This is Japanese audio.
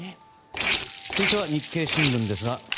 続いて、日経新聞です。